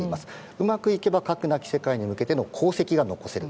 うまくいけば核なき世界への功績が残せる。